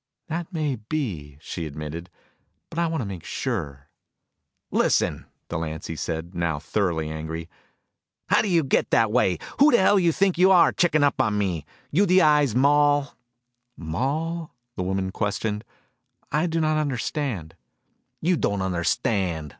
"That may be," she admitted, "but I want to make sure." "Listen," Delancy said, now thoroughly angry, "how do you get that way? Who the hell are you, checking up on me? You the Eye's moll?" "Moll?" questioned the woman. "I do not understand." "You don't understand!"